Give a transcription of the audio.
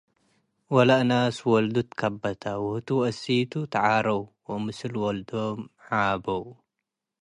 ወለእናስ ወልዱ ትከበተ፡ ወህቱ ወእሲቱ ተዓረው ወምስል ወልዶም ዓበው።